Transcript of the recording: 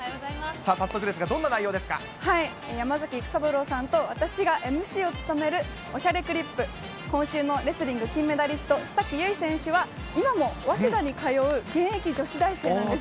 さあ、早速ですが、どんな内山崎育三郎さんと私がＭＣを務める、おしゃれクリップ、今週はレスリング金メダリスト、須崎優衣選手は、今も早稲田に通う現役女子大生なんです。